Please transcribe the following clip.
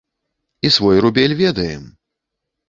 І свой рубель ведаем!